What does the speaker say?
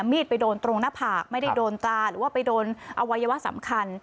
มีดไปโดนตรงหน้าผากไม่ได้โดนตราหรือว่าไปโดนอวัยวะสำคัญ